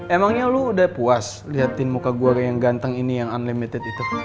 emangnya lu udah puas liatin muka gue yang ganteng ini yang unlimited itu